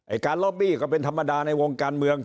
การล็อบบี้ก็เป็นธรรมดาในวงการเมือง